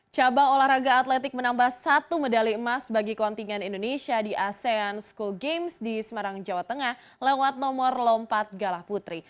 cabang olahraga atletik menambah satu medali emas bagi kontingen indonesia di asean school games di semarang jawa tengah lewat nomor lompat galah putri